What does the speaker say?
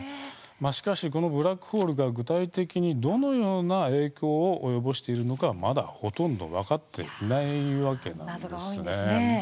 しかしブラックホールが具体的にどのような影響を及ぼしているのかはまだ、ほとんど謎が多いんですね。